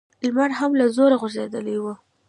لمر هم له زوره غورځېدلی و.